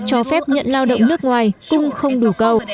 cho phép nhận lao động nước ngoài cung không đủ cầu